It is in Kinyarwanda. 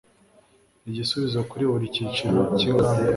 igisubizo kuri buri cyiciro cy ingamba